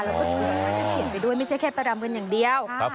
แล้วก็เขียนไปด้วยไม่ใช่แค่ประดำกันอย่างเดียว